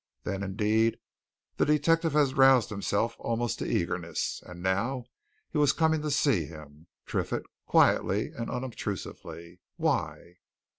Then, indeed, the detective had roused himself almost to eagerness, and now he was coming to see him, Triffitt, quietly and unobtrusively. Why?